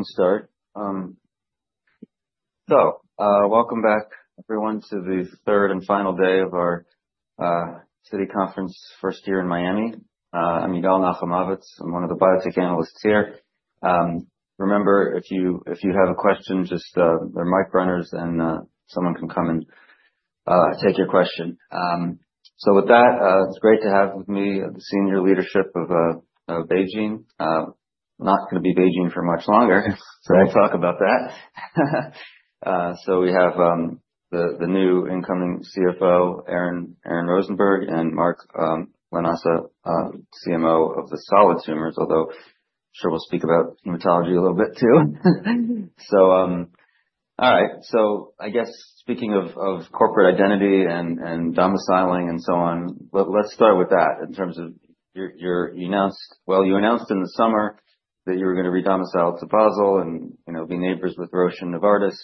We can start. Welcome back, everyone, to the third and final day of our Citi conference, first year in Miami. I'm Yigal Nochomovitz. I'm one of the biotech analysts here. Remember, if you have a question, just, there are mic runners, and someone can come and take your question. With that, it's great to have with me the senior leadership of BeiGene. Not going to be BeiGene for much longer, so we'll talk about that. We have the new incoming CFO, Aaron Rosenberg, and Mark Lanasa, CMO of the solid tumors, although I'm sure we'll speak about hematology a little bit, too. All right. I guess, speaking of corporate identity and domiciling and so on, let's start with that. In terms of, well, you announced in the summer that you were going to re-domicile to Basel and, you know, be neighbors with Roche and Novartis.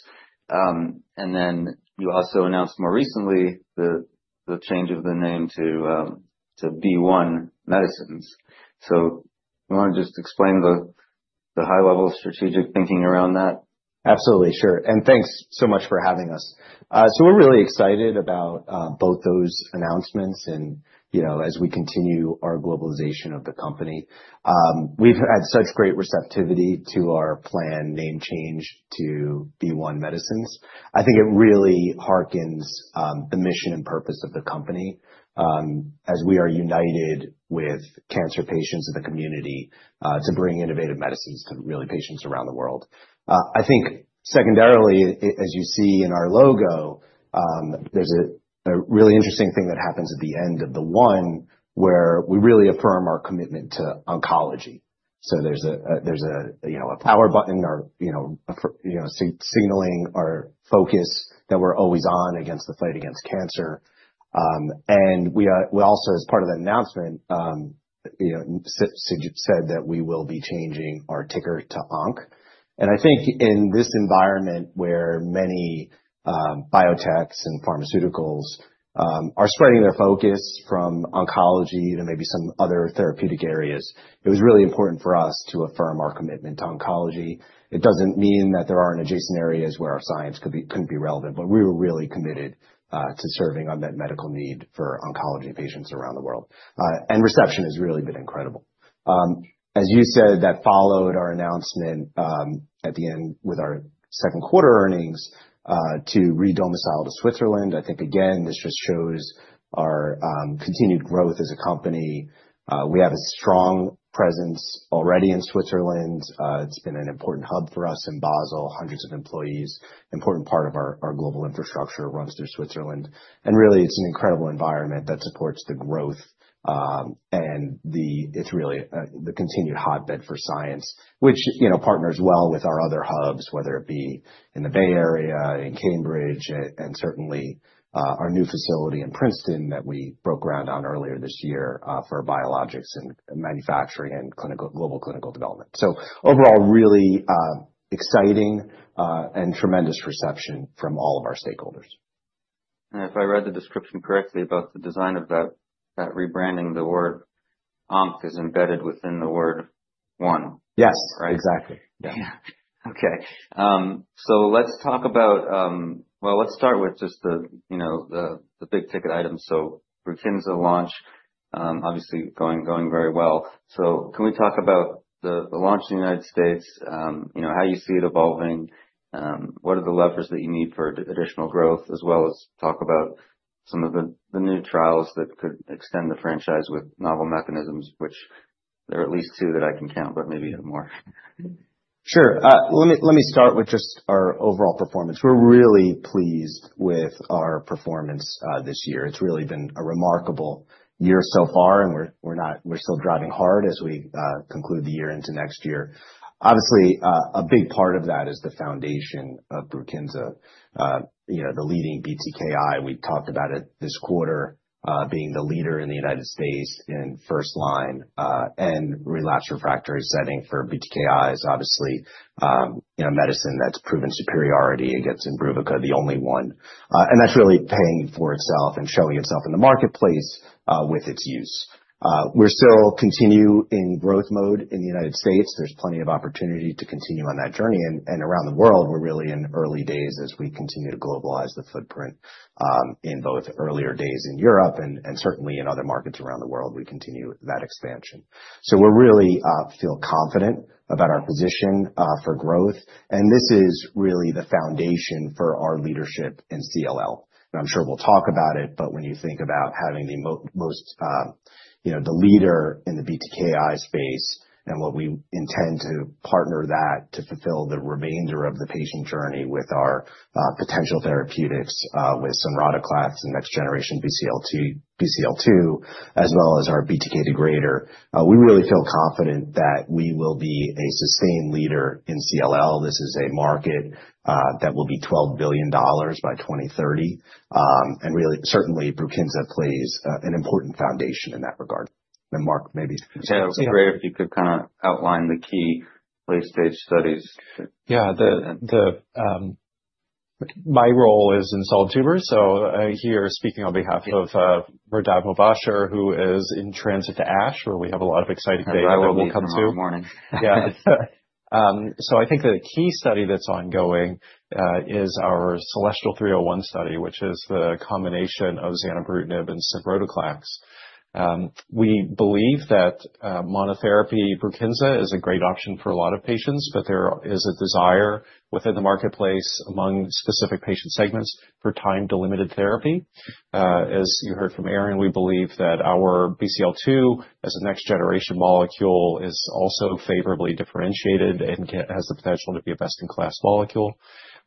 Then you also announced more recently the change of the name to BeOne Medicines. So you want to just explain the high-level strategic thinking around that? Absolutely. Sure. And thanks so much for having us. So we're really excited about both those announcements. And, you know, as we continue our globalization of the company, we've had such great receptivity to our planned name change to BeOne Medicines. I think it really hearkens to the mission and purpose of the company, as we are united with cancer patients in the community, to bring innovative medicines to patients around the world. I think, secondarily, as you see in our logo, there's a really interesting thing that happens at the end of the one, where we really affirm our commitment to oncology. So there's, you know, a power button or, you know, a, you know, signaling our focus that we're always on against the fight against cancer. We also, as part of the announcement, you know, said that we will be changing our ticker to ONC. I think in this environment where many biotechs and pharmaceuticals are spreading their focus from oncology to maybe some other therapeutic areas, it was really important for us to affirm our commitment to oncology. It doesn't mean that there aren't adjacent areas where our science could be relevant, but we were really committed to serving unmet medical need for oncology patients around the world. Reception has really been incredible. As you said, that followed our announcement at the end of our second quarter earnings to re-domicile to Switzerland. I think, again, this just shows our continued growth as a company. We have a strong presence already in Switzerland. It's been an important hub for us in Basel, hundreds of employees, important part of our global infrastructure runs through Switzerland. Really, it's an incredible environment that supports the growth, and it's really the continued hotbed for science, which, you know, partners well with our other hubs, whether it be in the Bay Area, in Cambridge, and certainly, our new facility in Princeton that we broke ground on earlier this year, for biologics and manufacturing and clinical global development. So overall, really exciting, and tremendous reception from all of our stakeholders. If I read the description correctly about the design of that rebranding, the word ONC is embedded within the word One. Yes, exactly. Yeah. Yeah. Okay, so let's talk about, well, let's start with just the, you know, the big ticket items. So Brukinsa launch, obviously going very well. So can we talk about the launch in the United States, you know, how you see it evolving, what are the levers that you need for additional growth, as well as talk about some of the new trials that could extend the franchise with novel mechanisms, which there are at least two that I can count, but maybe more. Sure. Let me start with just our overall performance. We're really pleased with our performance this year. It's really been a remarkable year so far, and we're still driving hard as we conclude the year into next year. Obviously, a big part of that is the foundation of Brukinsa, you know, the leading BTKi. We talked about it this quarter, being the leader in the United States in first line and relapse refractory setting for BTKi is obviously, you know, medicine that's proven superiority. It gets Imbruvica, the only one. And that's really paying for itself and showing itself in the marketplace with its use. We're still continue in growth mode in the United States. There's plenty of opportunity to continue on that journey. And around the world, we're really in early days as we continue to globalize the footprint, in both earlier days in Europe and certainly in other markets around the world, we continue that expansion. So we're really feel confident about our position for growth. And this is really the foundation for our leadership in CLL. And I'm sure we'll talk about it, but when you think about having the most, you know, the leader in the BTKi space and what we intend to partner that to fulfill the remainder of the patient journey with our potential therapeutics, with sonrotoclax and next generation BCL2, as well as our BTK degrader, we really feel confident that we will be a sustained leader in CLL. This is a market that will be $12 billion by 2030, and really certainly Brukinsa plays an important foundation in that regard. And Mark, maybe? If you could kind of outline the key late-stage studies. Yeah, my role is in solid tumors. So I'm here speaking on behalf of Mehrdad Mobasher, who is in transit to ASH, where we have a lot of exciting data that we'll come to. Mehrdad Mobasher, good morning. Yeah. So I think the key study that's ongoing is our CELESTIAL 301 study, which is the combination of zanubrutinib and sonrotoclax. We believe that monotherapy Brukinsa is a great option for a lot of patients, but there is a desire within the marketplace among specific patient segments for time-delimited therapy. As you heard from Aaron, we believe that our BCL2 as a next-generation molecule is also favorably differentiated and has the potential to be a best-in-class molecule.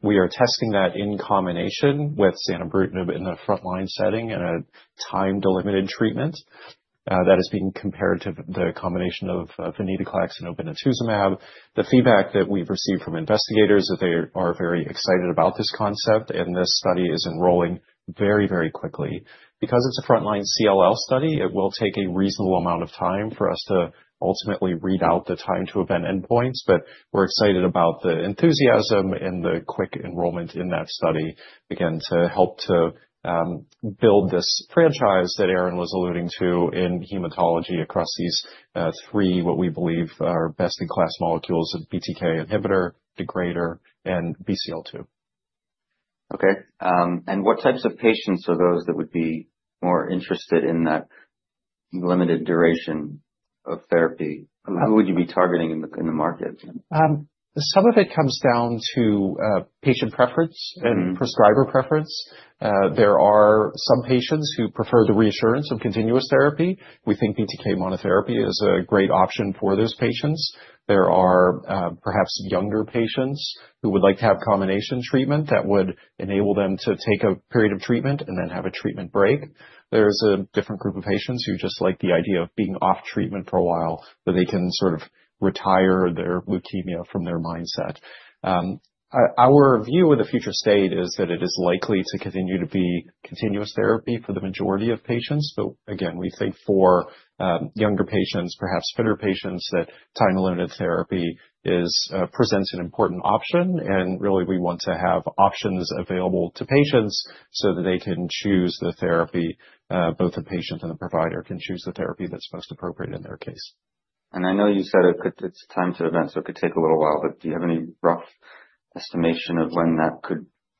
We are testing that in combination with zanubrutinib in the front-line setting and a time-delimited treatment that is being compared to the combination of venetoclax and obinutuzumab. The feedback that we've received from investigators is that they are very excited about this concept, and this study is enrolling very, very quickly. Because it's a front-line CLL study, it will take a reasonable amount of time for us to ultimately read out the time to event endpoints, but we're excited about the enthusiasm and the quick enrollment in that study, again, to help build this franchise that Aaron was alluding to in hematology across these three what we believe are best-in-class molecules of BTK inhibitor, degrader, and BCL2. Okay. And what types of patients are those that would be more interested in that limited duration of therapy? Who would you be targeting in the market? Some of it comes down to patient preference and prescriber preference. There are some patients who prefer the reassurance of continuous therapy. We think BTK monotherapy is a great option for those patients. There are perhaps younger patients who would like to have combination treatment that would enable them to take a period of treatment and then have a treatment break. There's a different group of patients who just like the idea of being off treatment for a while so they can sort of retire their leukemia from their mindset. Our view of the future state is that it is likely to continue to be continuous therapy for the majority of patients. But again, we think for younger patients, perhaps fitter patients, that time-delimited therapy presents an important option. And really, we want to have options available to patients so that they can choose the therapy. Both the patient and the provider can choose the therapy that's most appropriate in their case. I know you said it could be time-to-event, so it could take a little while, but do you have any rough estimation of when,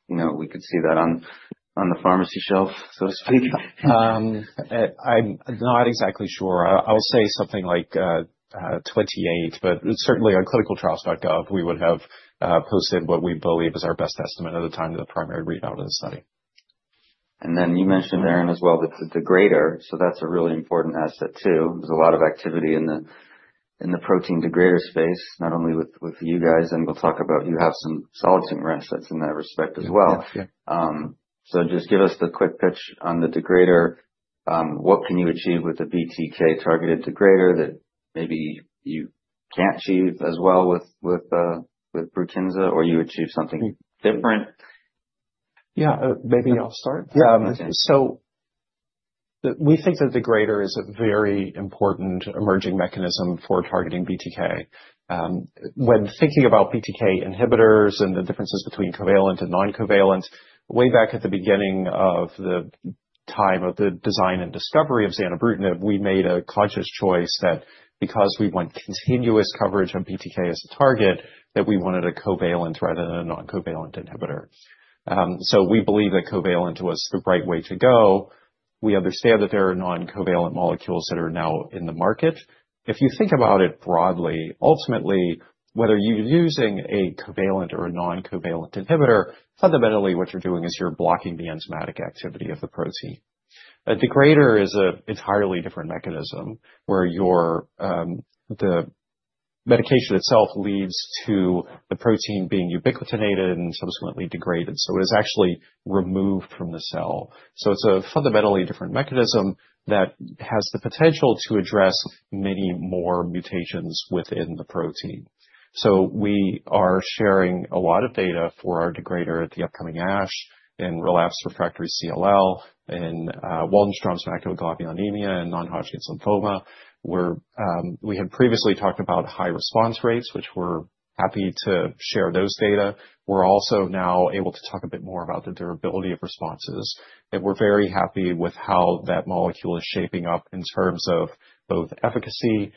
you know, we could see that on the pharmacy shelf, so to speak? I'm not exactly sure. I'll say something like, 2028, but certainly on clinicaltrials.gov, we would have, posted what we believe is our best estimate of the time to the primary readout of the study. And then you mentioned, Aaron, as well, the degrader. So that's a really important asset, too. There's a lot of activity in the protein degrader space, not only with you guys. And we'll talk about you have some solid tumor assets in that respect as well. Yeah, yeah. So just give us the quick pitch on the degrader. What can you achieve with the BTK targeted degrader that maybe you can't achieve as well with Brukinsa, or you achieve something different? Yeah, maybe I'll start. Yeah. So we think that degrader is a very important emerging mechanism for targeting BTK. When thinking about BTK inhibitors and the differences between covalent and non-covalent, way back at the beginning of the time of the design and discovery of zanubrutinib, we made a conscious choice that because we want continuous coverage of BTK as a target, that we wanted a covalent rather than a non-covalent inhibitor. So we believe that covalent was the right way to go. We understand that there are non-covalent molecules that are now in the market. If you think about it broadly, ultimately, whether you're using a covalent or a non-covalent inhibitor, fundamentally, what you're doing is you're blocking the enzymatic activity of the protein. A degrader is an entirely different mechanism where the medication itself leads to the protein being ubiquitinated and subsequently degraded. So it is actually removed from the cell. It's a fundamentally different mechanism that has the potential to address many more mutations within the protein. We are sharing a lot of data for our degrader at the upcoming ASH, and relapse refractory CLL, and Waldenström's macroglobulinemia and non-Hodgkin's lymphoma. We had previously talked about high response rates, which we're happy to share those data. We're also now able to talk a bit more about the durability of responses. We're very happy with how that molecule is shaping up in terms of both efficacy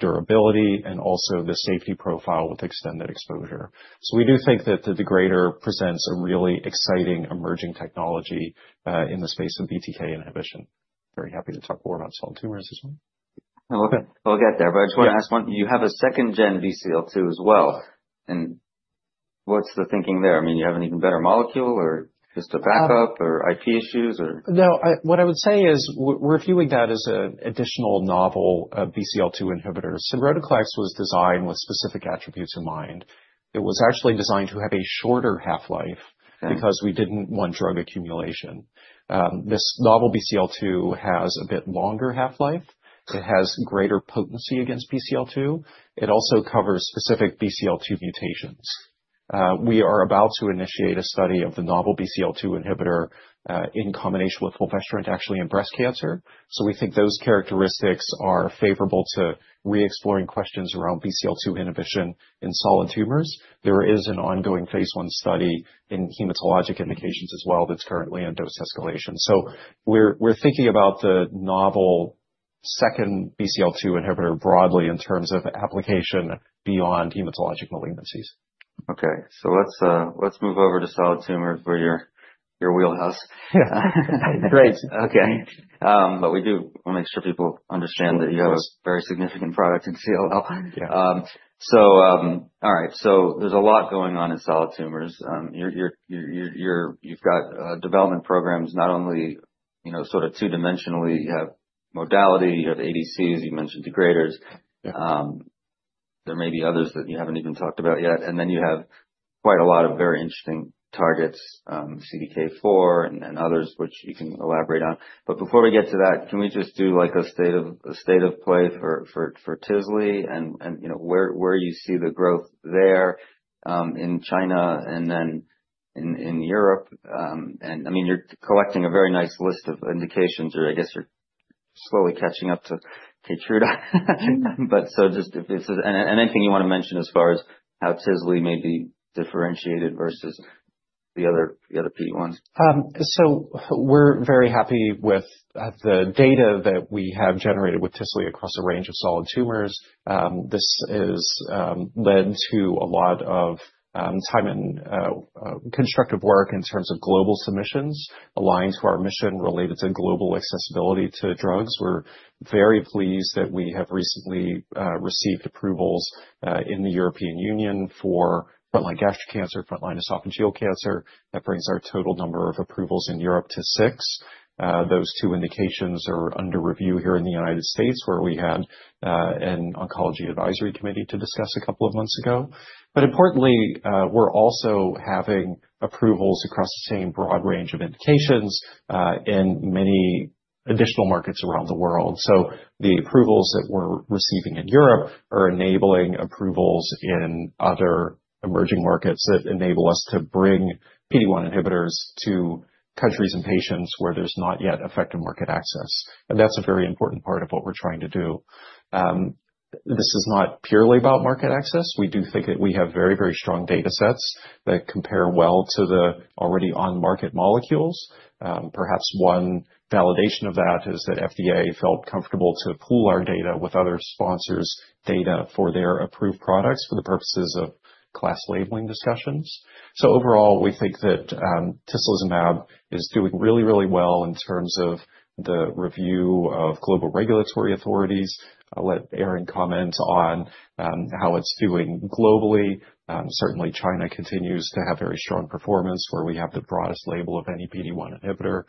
durability, and also the safety profile with extended exposure. We do think that the degrader presents a really exciting emerging technology in the space of BTK inhibition. Very happy to talk more about solid tumors as well. We'll get there, but I just want to ask one. You have a second-gen BCL2 as well, and what's the thinking there? I mean, you have an even better molecule or just a backup or IP issues or? No, what I would say is we're viewing that as an additional novel BCL2 inhibitor. Sonrotoclax was designed with specific attributes in mind. It was actually designed to have a shorter half-life because we didn't want drug accumulation. This novel BCL2 has a bit longer half-life. It has greater potency against BCL2. It also covers specific BCL2 mutations. We are about to initiate a study of the novel BCL2 inhibitor, in combination with fulvestrant actually in breast cancer. So we think those characteristics are favorable to re-exploring questions around BCL2 inhibition in solid tumors. There is an ongoing phase I study in hematologic indications as well that's currently in dose escalation. So we're thinking about the novel second BCL2 inhibitor broadly in terms of application beyond hematologic malignancies. Okay. So let's move over to solid tumors, where your wheelhouse. Yeah. Great. Okay. But we do want to make sure people understand that you have a very significant product in CLL. Yeah. So, all right. So there's a lot going on in solid tumors. You've got development programs, not only, you know, sort of two-dimensionally. You have modality, you have ADCs, you mentioned degraders. There may be others that you haven't even talked about yet. And then you have quite a lot of very interesting targets, CDK4 and others, which you can elaborate on. But before we get to that, can we just do like a state of play for tisle and, you know, where you see the growth there, in China and then in Europe? And I mean, you're collecting a very nice list of indications, or I guess you're slowly catching up to Keytruda. But so, just anything you want to mention as far as how tisle may be differentiated versus the other PD-1s? So we're very happy with the data that we have generated with tisle across a range of solid tumors. This has led to a lot of time and constructive work in terms of global submissions aligned to our mission related to global accessibility to drugs. We're very pleased that we have recently received approvals in the European Union for frontline gastric cancer, frontline esophageal cancer. That brings our total number of approvals in Europe to six. Those two indications are under review here in the United States, where we had an oncology advisory committee to discuss a couple of months ago. But importantly, we're also having approvals across the same broad range of indications in many additional markets around the world. So the approvals that we're receiving in Europe are enabling approvals in other emerging markets that enable us to bring PD-1 inhibitors to countries and patients where there's not yet effective market access. And that's a very important part of what we're trying to do. This is not purely about market access. We do think that we have very, very strong data sets that compare well to the already on-market molecules. Perhaps one validation of that is that FDA felt comfortable to pool our data with other sponsors' data for their approved products for the purposes of class labeling discussions. So overall, we think that tislelizumab is doing really, really well in terms of the review of global regulatory authorities. I'll let Aaron comment on how it's doing globally. Certainly, China continues to have very strong performance where we have the broadest label of any PD-1 inhibitor.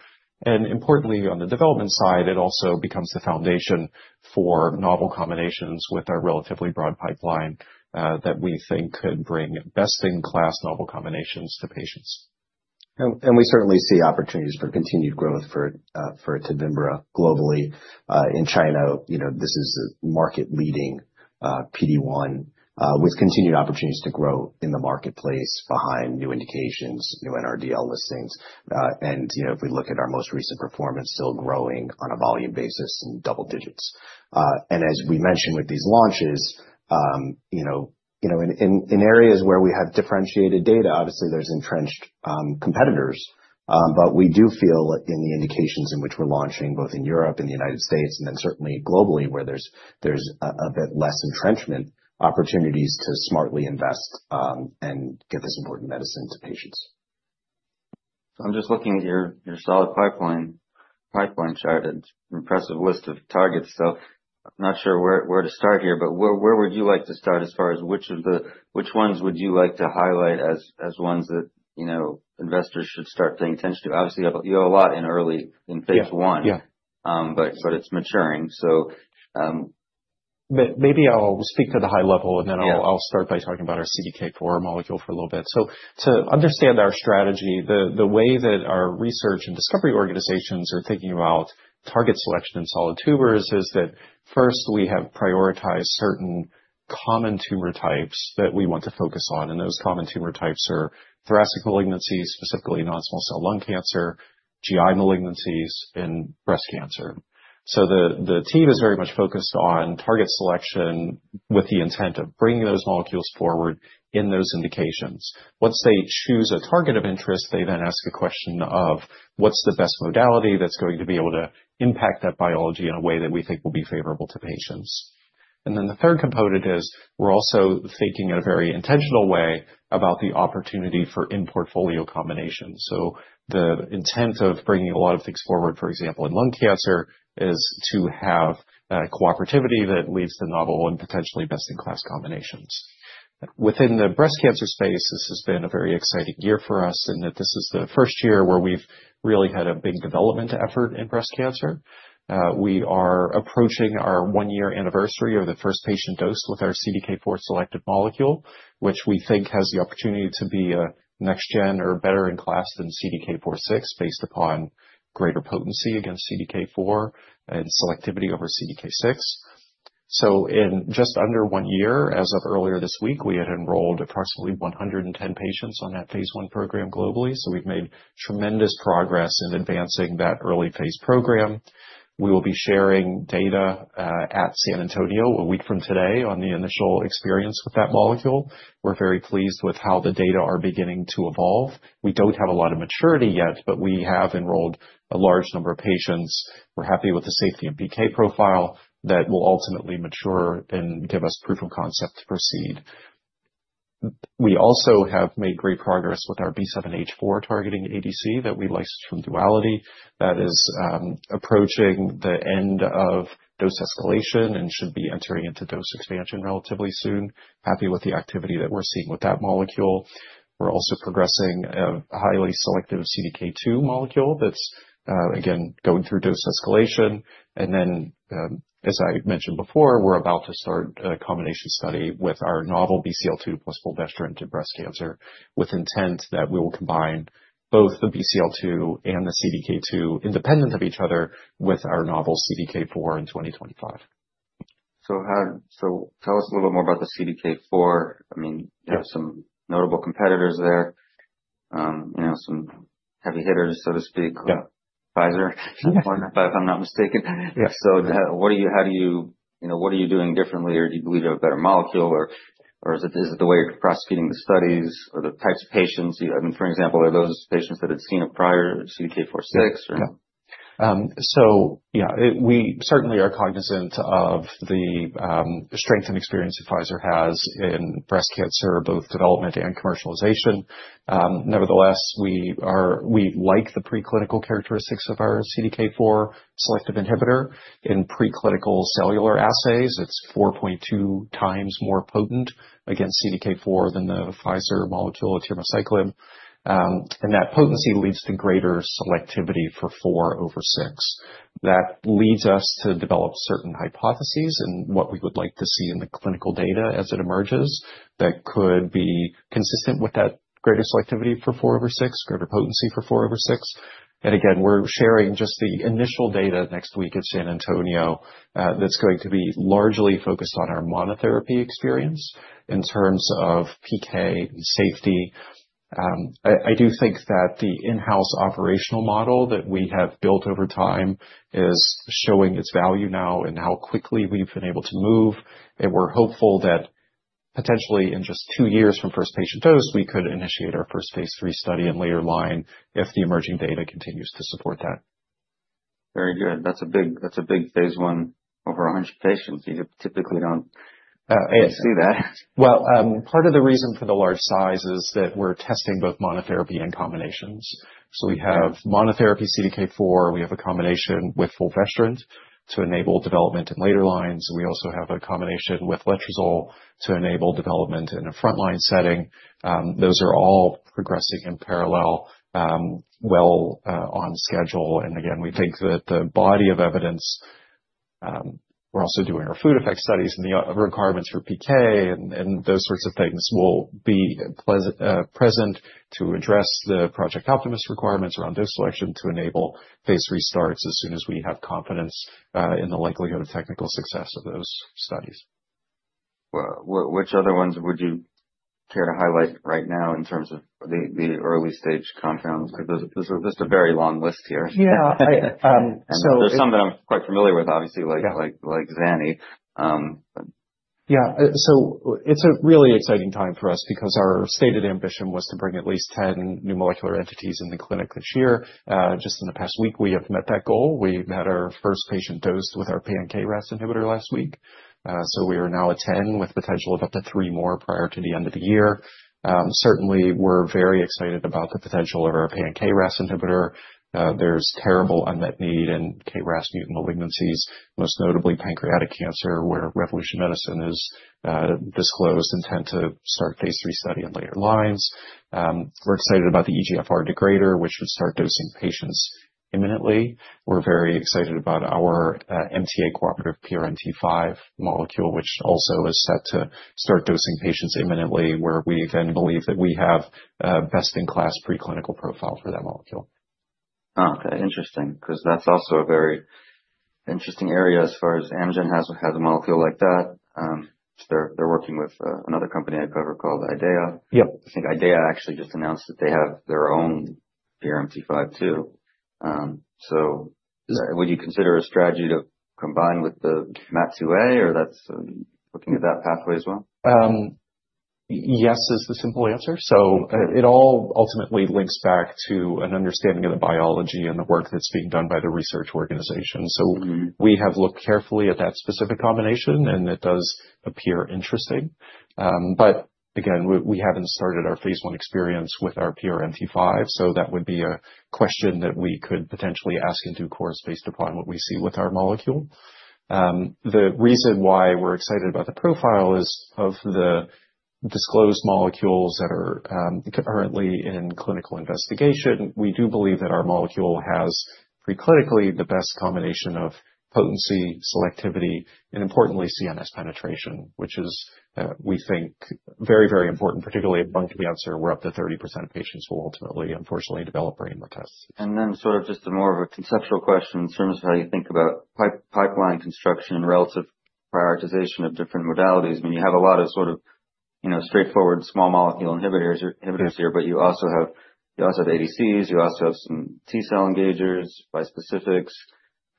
Importantly, on the development side, it also becomes the foundation for novel combinations with our relatively broad pipeline, that we think could bring best-in-class novel combinations to patients. We certainly see opportunities for continued growth for Tevimbra globally. In China, you know, this is a market-leading PD-1 with continued opportunities to grow in the marketplace behind new indications, new NRDL listings. You know, if we look at our most recent performance, still growing on a volume basis in double digits. As we mentioned with these launches, you know, in areas where we have differentiated data, obviously, there's entrenched competitors. But we do feel in the indications in which we're launching both in Europe and the United States and then certainly globally, where there's a bit less entrenchment opportunities to smartly invest, and get this important medicine to patients. I'm just looking at your solid tumor pipeline chart. It's an impressive list of targets. I'm not sure where to start here, but where would you like to start as far as which ones would you like to highlight as ones that, you know, investors should start paying attention to? Obviously, you have a lot in early phase I. Yeah. But it's maturing. So, Maybe I'll speak to the high level, and then I'll start by talking about our CDK4 molecule for a little bit, so to understand our strategy, the way that our research and discovery organizations are thinking about target selection in solid tumors is that first, we have prioritized certain common tumor types that we want to focus on, and those common tumor types are thoracic malignancies, specifically non-small cell lung cancer, GI malignancies, and breast cancer, so the team is very much focused on target selection with the intent of bringing those molecules forward in those indications. Once they choose a target of interest, they then ask a question of what's the best modality that's going to be able to impact that biology in a way that we think will be favorable to patients. And then the third component is we're also thinking in a very intentional way about the opportunity for in-portfolio combinations. So the intent of bringing a lot of things forward, for example, in lung cancer, is to have a cooperativity that leads to novel and potentially best-in-class combinations. Within the breast cancer space, this has been a very exciting year for us in that this is the first year where we've really had a big development effort in breast cancer. We are approaching our one-year anniversary of the first patient dosed with our CDK4 selective molecule, which we think has the opportunity to be a next-gen or better in class than CDK4/6 based upon greater potency against CDK4 and selectivity over CDK6. So in just under one year, as of earlier this week, we had enrolled approximately 110 patients on that phase I program globally. We've made tremendous progress in advancing that early phase program. We will be sharing data at San Antonio a week from today on the initial experience with that molecule. We're very pleased with how the data are beginning to evolve. We don't have a lot of maturity yet, but we have enrolled a large number of patients. We're happy with the safety and PK profile that will ultimately mature and give us proof of concept to proceed. We also have made great progress with our B7-H4 targeting ADC that we licensed from Duality that is approaching the end of dose escalation and should be entering into dose expansion relatively soon. We're happy with the activity that we're seeing with that molecule. We're also progressing a highly selective CDK2 molecule that's again going through dose escalation. And then, as I mentioned before, we're about to start a combination study with our novel BCL2 plus fulvestrant in breast cancer with intent that we will combine both the BCL2 and the CDK2 independent of each other with our novel CDK4 in 2025. So, tell us a little more about the CDK4. I mean, you have some notable competitors there, you know, some heavy hitters, so to speak. Yeah. Pfizer, if I'm not mistaken. Yeah. So, you know, what are you doing differently, or do you believe you have a better molecule, or is it the way you're prosecuting the studies or the types of patients? I mean, for example, are those patients that had seen a prior CDK4/6 or? Yeah. So yeah, we certainly are cognizant of the strength and experience that Pfizer has in breast cancer, both development and commercialization. Nevertheless, we like the preclinical characteristics of our CDK4 selective inhibitor. In preclinical cellular assays, it's 4.2 times more potent against CDK4 the Pfizer molecule of atirmociclib. And that potency leads to greater selectivity for 4 over 6. That leads us to develop certain hypotheses and what we would like to see in the clinical data as it emerges that could be consistent with that greater selectivity for CDK4 over CDK6, greater potency for CDK4 over CDK6. We're sharing just the initial data next week at San Antonio that's going to be largely focused on our monotherapy experience in terms of PK safety. I do think that the in-house operational model that we have built over time is showing its value now and how quickly we've been able to move, and we're hopeful that potentially in just two years from first patient dose, we could initiate our first phase III study and later line if the emerging data continues to support that. Very good. That's a big phase I over 100 patients. You typically don't see that. Part of the reason for the large size is that we're testing both monotherapy and combinations. So we have monotherapy CDK4. We have a combination with fulvestrant to enable development in later lines. We also have a combination with letrozole to enable development in a front-line setting. Those are all progressing in parallel, well, on schedule. Again, we think that the body of evidence, we're also doing our food effect studies, and the requirements for PK and those sorts of things will be present to address the Project Optimus requirements around dose selection to enable phase III starts as soon as we have confidence in the likelihood of technical success of those studies. Which other ones would you care to highlight right now in terms of the early-stage compounds? Because this is just a very long list here. Yeah. So. There's some that I'm quite familiar with, obviously, like zanub, but. Yeah. So it's a really exciting time for us because our stated ambition was to bring at least 10 new molecular entities in the clinic this year. Just in the past week, we have met that goal. We had our first patient dosed with our pan-KRAS inhibitor last week. So we are now at 10 with potential of up to three more prior to the end of the year. Certainly, we're very excited about the potential of our pan-KRAS inhibitor. There's terrible unmet need in KRAS mutant malignancies, most notably pancreatic cancer, where Revolution Medicines has disclosed and intends to start phase III study in later lines. We're excited about the EGFR degrader, which would start dosing patients imminently. We're very excited about our MAT2A cooperative PRMT5 molecule, which also is set to start dosing patients imminently, where we then believe that we have a best-in-class preclinical profile for that molecule. Oh, okay. Interesting. Because that's also a very interesting area as far as Amgen has a molecule like that. They're working with another company I've covered called IDEAYA. Yep. I think IDEAYA actually just announced that they have their own PRMT5 too. So would you consider a strategy to combine with the MAT2A, or that's looking at that pathway as well? Yes is the simple answer. So it all ultimately links back to an understanding of the biology and the work that's being done by the research organization. So we have looked carefully at that specific combination, and it does appear interesting. But again, we haven't started our phase I experience with our PRMT5, so that would be a question that we could potentially ask in due course based upon what we see with our molecule. The reason why we're excited about the profile is of the disclosed molecules that are currently in clinical investigation. We do believe that our molecule has preclinically the best combination of potency, selectivity, and importantly, CNS penetration, which is, we think very, very important, particularly in lung cancer. We're up to 30% of patients who will ultimately, unfortunately, develop brain metastasis. Then sort of just a more of a conceptual question in terms of how you think about pipeline construction and relative prioritization of different modalities. I mean, you have a lot of sort of, you know, straightforward small molecule inhibitors here, but you also have ADCs. You also have some T-cell engagers, bispecifics.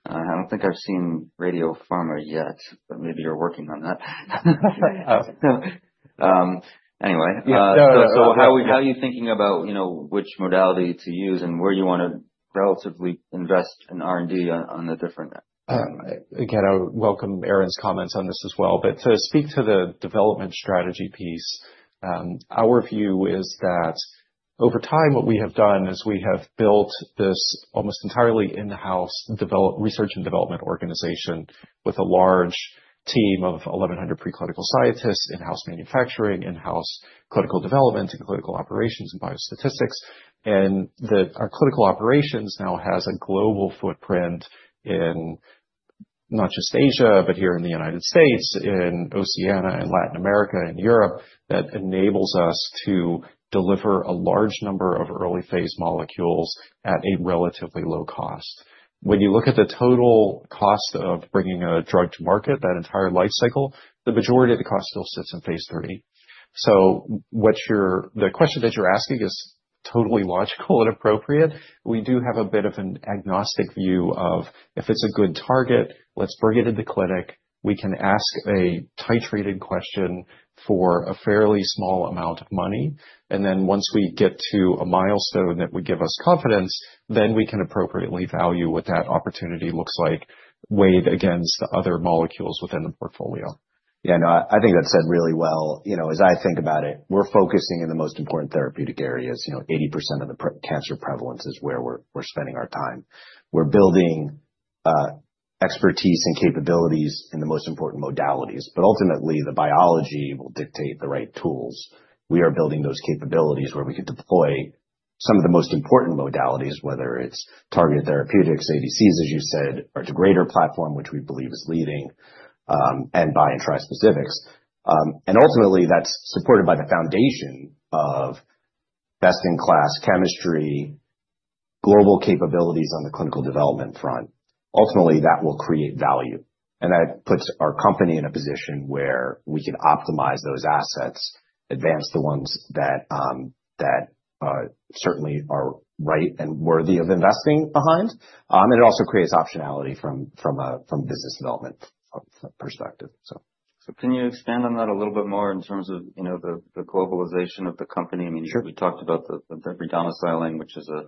I don't think I've seen radiopharma yet, but maybe you're working on that. Anyway. Yeah. So how are you thinking about, you know, which modality to use and where you want to relatively invest in R&D on the different? Again, I welcome Aaron's comments on this as well. To speak to the development strategy piece, our view is that over time, what we have done is we have built this almost entirely in-house development research and development organization with a large team of 1,100 preclinical scientists, in-house manufacturing, in-house clinical development, and clinical operations and biostatistics. Our clinical operations now has a global footprint in not just Asia, but here in the United States, in Oceania and Latin America and Europe that enables us to deliver a large number of early phase molecules at a relatively low cost. When you look at the total cost of bringing a drug to market, that entire life cycle, the majority of the cost still sits in phase III. The question that you're asking is totally logical and appropriate. We do have a bit of an agnostic view of if it's a good target, let's bring it into clinic. We can ask a titrated question for a fairly small amount of money. And then once we get to a milestone that would give us confidence, then we can appropriately value what that opportunity looks like weighed against the other molecules within the portfolio. Yeah. No, I think that said really well. You know, as I think about it, we're focusing in the most important therapeutic areas. You know, 80% of the cancer prevalence is where we're spending our time. We're building expertise and capabilities in the most important modalities. But ultimately, the biology will dictate the right tools. We are building those capabilities where we could deploy some of the most important modalities, whether it's targeted therapeutics, ADCs, as you said, or degrader platform, which we believe is leading, and bispecifics and trispecifics. And ultimately, that's supported by the foundation of best-in-class chemistry, global capabilities on the clinical development front. Ultimately, that will create value. And that puts our company in a position where we can optimize those assets, advance the ones that certainly are right and worthy of investing behind. And it also creates optionality from a business development perspective. So can you expand on that a little bit more in terms of, you know, the globalization of the company? I mean, we talked about the BeOne rebranding, which is a,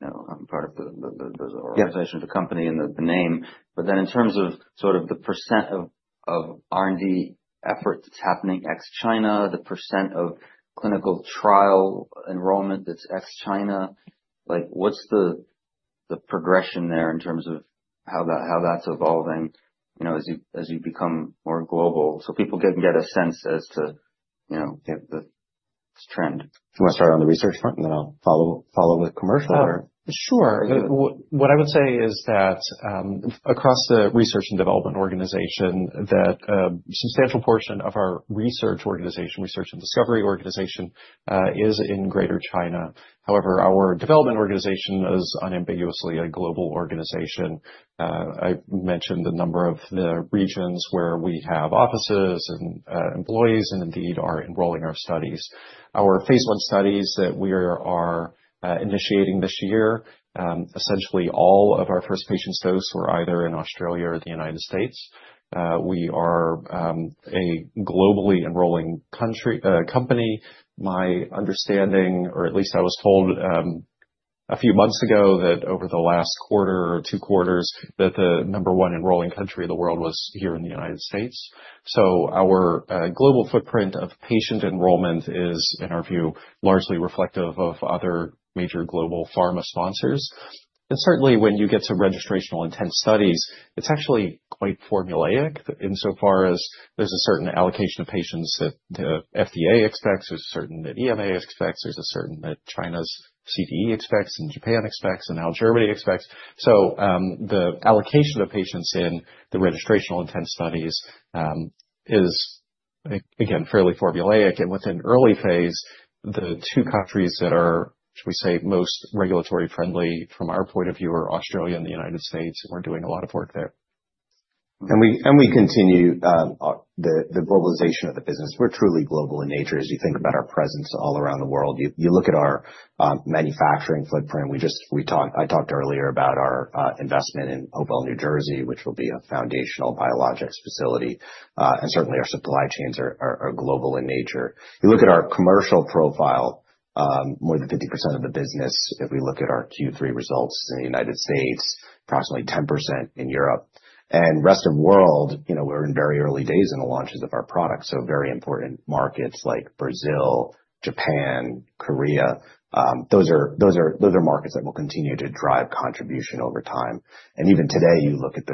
you know, part of the organization of the company and the name. But then in terms of sort of the percent of R&D effort that's happening ex-China, the percent of clinical trial enrollment that's ex-China, like, what's the progression there in terms of how that's evolving, you know, as you become more global? So people can get a sense as to, you know, the trend. Do you want to start on the research front, and then I'll follow with commercial or? Sure. What I would say is that, across the research and development organization, that a substantial portion of our research organization, research and discovery organization, is in Greater China. However, our development organization is unambiguously a global organization. I mentioned the number of the regions where we have offices and employees and indeed are enrolling our studies. Our phase I studies that we are initiating this year, essentially all of our first patients' dose were either in Australia or the United States. We are a globally enrolling country company. My understanding, or at least I was told a few months ago that over the last quarter or two quarters, that the number one enrolling country of the world was here in the United States. Our global footprint of patient enrollment is, in our view, largely reflective of other major global pharma sponsors. And certainly, when you get to registrational intent studies, it's actually quite formulaic insofar as there's a certain allocation of patients that the FDA expects, there's a certain that EMA expects, there's a certain that China's CDE expects and Japan expects and Algeria expects. The allocation of patients in the registrational intent studies is, again, fairly formulaic. And within early phase, the two countries that are, shall we say, most regulatory friendly from our point of view are Australia and the United States, and we're doing a lot of work there. And we continue the globalization of the business. We're truly global in nature as you think about our presence all around the world. You look at our manufacturing footprint. We just talked earlier about our investment in Hopewell, New Jersey, which will be a foundational biologics facility, and certainly, our supply chains are global in nature. You look at our commercial profile, more than 50% of the business. If we look at our Q3 results in the United States, approximately 10% in Europe. And rest of world, you know, we're in very early days in the launches of our product. So very important markets like Brazil, Japan, Korea, those are markets that will continue to drive contribution over time. Even today, you look at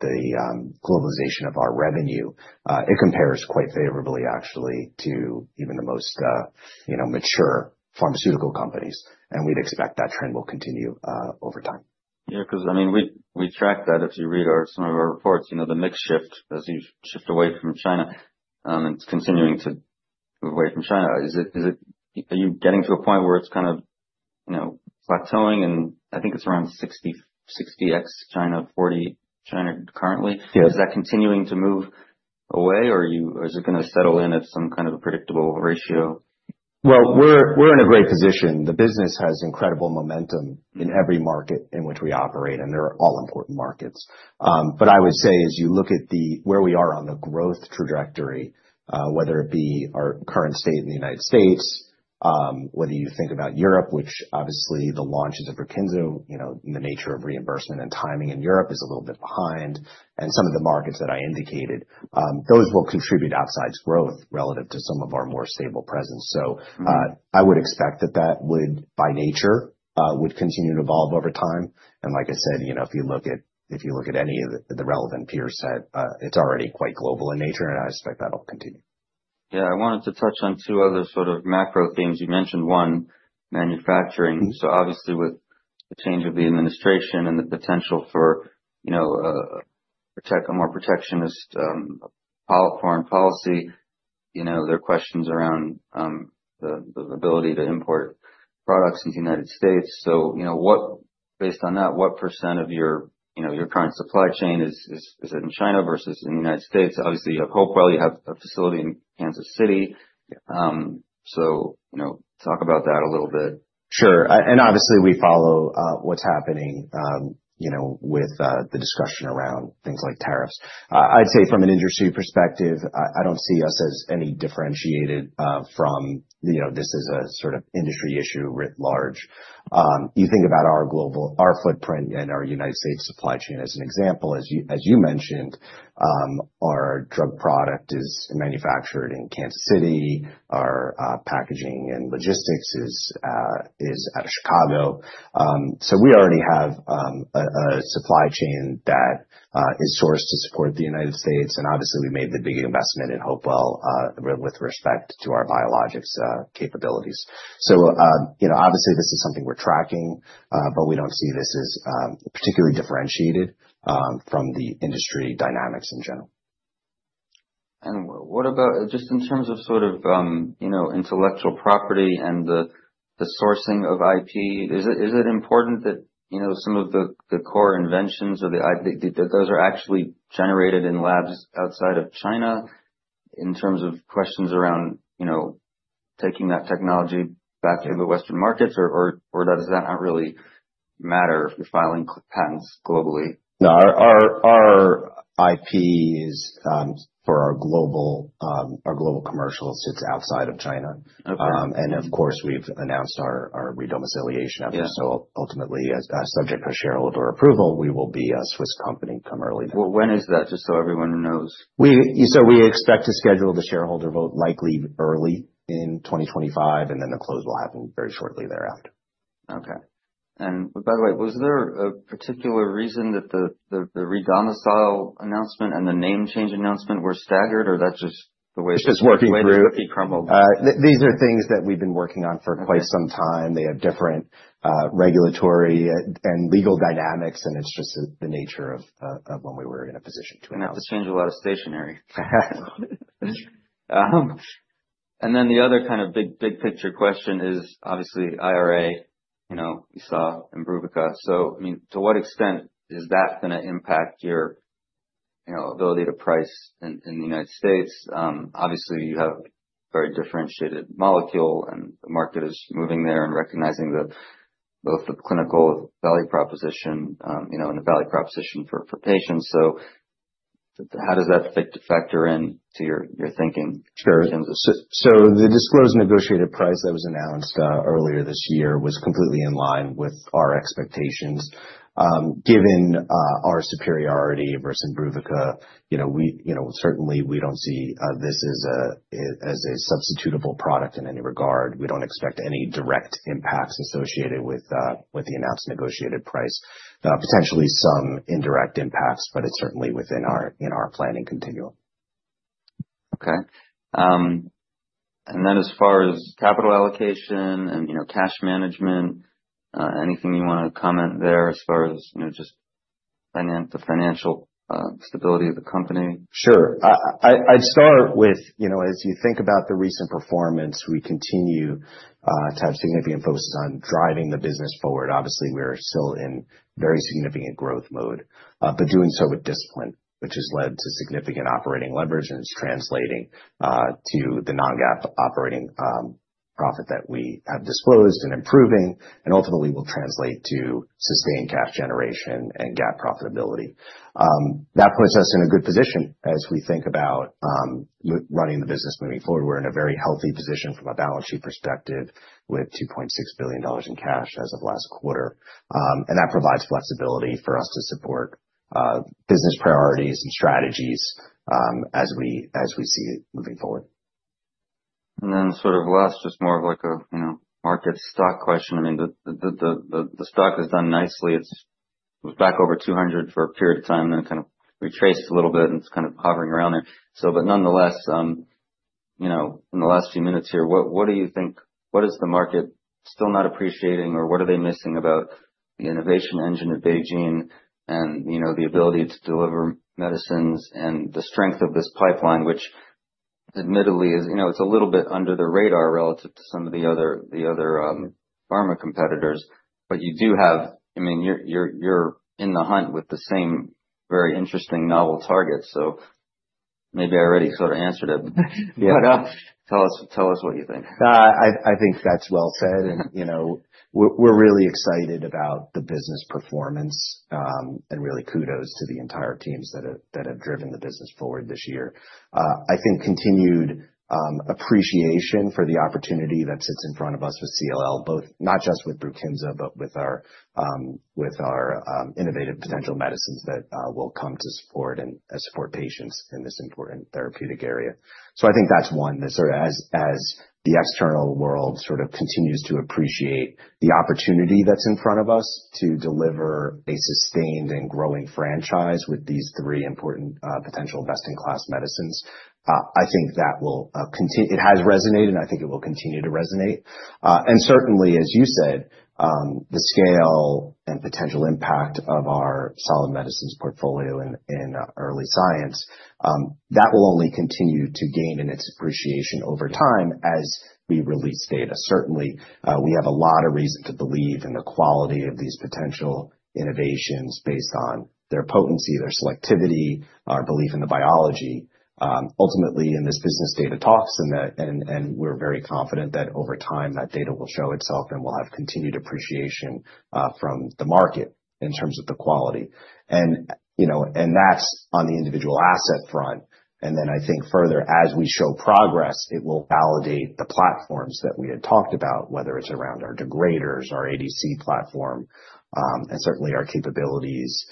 the globalization of our revenue. It compares quite favorably, actually, to even the most, you know, mature pharmaceutical companies. We'd expect that trend will continue over time. Yeah. Because, I mean, we track that if you read some of our reports, you know, the mix shift as you shift away from China, and it's continuing to move away from China. Is it are you getting to a point where it's kind of, you know, plateauing? And I think it's around 60 ex-China, 40 China currently. Is that continuing to move away, or is it going to settle in at some kind of a predictable ratio? We're in a great position. The business has incredible momentum in every market in which we operate, and they're all important markets. But I would say as you look at where we are on the growth trajectory, whether it be our current state in the United States, whether you think about Europe, which obviously the launches of Brukinsa, you know, the nature of reimbursement and timing in Europe is a little bit behind, and some of the markets that I indicated, those will contribute outsized growth relative to some of our more stable presence. So, I would expect that would, by nature, continue to evolve over time. And like I said, you know, if you look at any of the relevant peer set, it's already quite global in nature, and I expect that'll continue. Yeah. I wanted to touch on two other sort of macro themes. You mentioned one, manufacturing. So obviously, with the change of the administration and the potential for, you know, a more protectionist foreign policy, you know, there are questions around the ability to import products into the United States. So, you know, based on that, what percent of, you know, your current supply chain is it in China versus in the United States? Obviously, you have Hopewell. You have a facility in Kansas City. So, you know, talk about that a little bit. Sure. And obviously, we follow what's happening, you know, with the discussion around things like tariffs. I'd say from an industry perspective, I don't see us as any differentiated from, you know, this is a sort of industry issue writ large. You think about our global footprint and our United States supply chain as an example. As you mentioned, our drug product is manufactured in Kansas City. Our packaging and logistics is out of Chicago, so we already have a supply chain that is sourced to support the United States. And obviously, we made the big investment in Hopewell with respect to our biologics capabilities. So, you know, obviously, this is something we're tracking, but we don't see this as particularly differentiated from the industry dynamics in general. What about just in terms of sort of, you know, intellectual property and the sourcing of IP? Is it important that, you know, some of the core inventions or the IP that those are actually generated in labs outside of China in terms of questions around, you know, taking that technology back into Western markets or does that not really matter if you're filing patents globally? No, our IP is for our global commercial rights outside of China. Okay. And of course, we've announced our re-domiciliation efforts. So ultimately, as a subject of shareholder approval, we will be a Swiss company come early. When is that? Just so everyone knows. So we expect to schedule the shareholder vote likely early in 2025, and then the close will happen very shortly thereafter. Okay. And by the way, was there a particular reason that the redomicile announcement and the name change announcement were staggered, or that's just the way it's working through? These are things that we've been working on for quite some time. They have different regulatory and legal dynamics, and it's just the nature of when we were in a position to announce. You don't have to change a lot of strategy. And then the other kind of big big picture question is obviously IRA, you know, we saw in Imbruvica. So, I mean, to what extent is that going to impact your, you know, ability to price in the United States? Obviously, you have very differentiated molecule, and the market is moving there and recognizing both the clinical value proposition, you know, and the value proposition for patients. So how does that factor into your thinking? Sure. So the disclosed negotiated price that was announced earlier this year was completely in line with our expectations. Given our superiority versus Imbruvica, you know, certainly, we don't see this as a substitutable product in any regard. We don't expect any direct impacts associated with the announced negotiated price, potentially some indirect impacts, but it's certainly within our planning continuum. Okay, and then as far as capital allocation and, you know, cash management, anything you want to comment there as far as, you know, just the financial stability of the company? Sure. I'd start with, you know, as you think about the recent performance, we continue to have significant focus on driving the business forward. Obviously, we're still in very significant growth mode, but doing so with discipline, which has led to significant operating leverage and is translating to the non-GAAP operating profit that we have disclosed and improving, and ultimately will translate to sustained cash generation and GAAP profitability. That puts us in a good position as we think about running the business moving forward. We're in a very healthy position from a balance sheet perspective with $2.6 billion in cash as of last quarter. And that provides flexibility for us to support business priorities and strategies as we see it moving forward. And then sort of last, just more of like a, you know, market stock question. I mean, the stock has done nicely. It was back over 200 for a period of time, and then it kind of retraced a little bit, and it's kind of hovering around there. So, but nonetheless, you know, in the last few minutes here, what do you think? What is the market still not appreciating, or what are they missing about the innovation engine at BeiGene and, you know, the ability to deliver medicines and the strength of this pipeline, which admittedly is, you know, it's a little bit under the radar relative to some of the other pharma competitors. But you do have I mean, you're in the hunt with the same very interesting novel targets. So, maybe I already sort of answered it, but tell us what you think. I think that's well said. You know, we're really excited about the business performance, and really kudos to the entire team that have driven the business forward this year. I think continued appreciation for the opportunity that sits in front of us with CLL, both not just with Brukinsa, but with our innovative potential medicines that will come to support patients in this important therapeutic area. I think that's one. Sort of, as the external world sort of continues to appreciate the opportunity that's in front of us to deliver a sustained and growing franchise with these three important potential best-in-class medicines, I think that will continue. It has resonated, and I think it will continue to resonate. And certainly, as you said, the scale and potential impact of our solid medicines portfolio in early science, that will only continue to gain in its appreciation over time as we release data. Certainly, we have a lot of reason to believe in the quality of these potential innovations based on their potency, their selectivity, our belief in the biology. Ultimately, in this business, data talks, and we're very confident that over time, that data will show itself and will have continued appreciation from the market in terms of the quality. And, you know, and that's on the individual asset front. And then I think further, as we show progress, it will validate the platforms that we had talked about, whether it's around our degraders, our ADC platform, and certainly our capabilities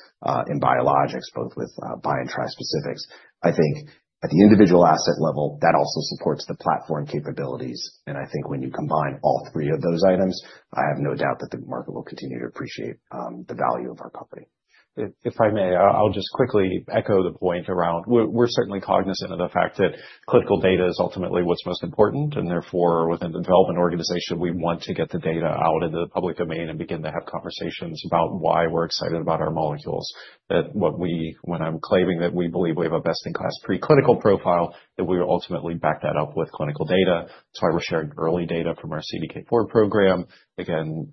in biologics, both with bispecifics and trispecifics. I think at the individual asset level, that also supports the platform capabilities. And I think when you combine all three of those items, I have no doubt that the market will continue to appreciate the value of our company. If I may, I'll just quickly echo the point around we're certainly cognizant of the fact that clinical data is ultimately what's most important. And therefore, within the development organization, we want to get the data out into the public domain and begin to have conversations about why we're excited about our molecules. That, when I'm claiming that we believe we have a best-in-class preclinical profile, that we ultimately back that up with clinical data. That's why we're sharing early data from our CDK4 program. Again,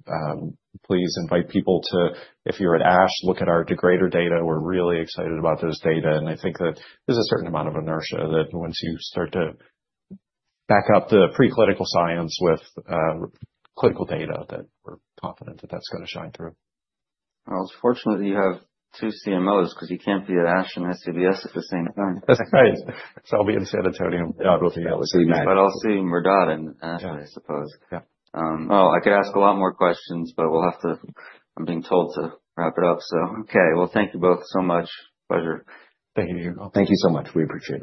please invite people to, if you're at ASH, look at our degrader data. We're really excited about those data. And I think that there's a certain amount of inertia that once you start to back up the preclinical science with clinical data, that we're confident that that's going to shine through. It's fortunate that you have two CMOs because you can't be at ASH and SABCS at the same time. That's right. So I'll be in San Antonio. Yeah, I will see Matt as well. But I'll see Mehrdad and Ashley, I suppose. Yeah. I could ask a lot more questions, but we'll have to. I'm being told to wrap it up. So, okay. Thank you both so much. Pleasure. Thank you. Thank you so much. We appreciate it.